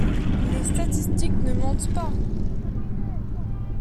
Les statistiques ne mentent pas!